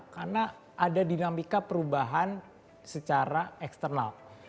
karena ada dinamika perubahan secara eksternal